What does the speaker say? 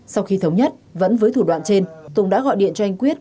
sau khi thống nhất vẫn với thủ đoạn trên tùng đã gọi điện cho anh quyết